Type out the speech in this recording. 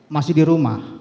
masih di rumah